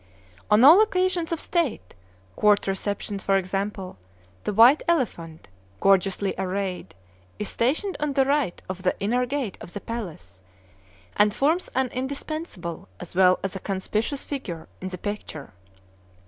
On all occasions of state, court receptions, for example, the white elephant, gorgeously arrayed, is stationed on the right of the inner gate of the palace, and forms an indispensable as well as a conspicuous figure in the picture.